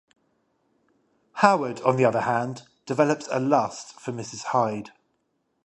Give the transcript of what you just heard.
Howard, on the other hand, develops a lust for Mrs. Hyde.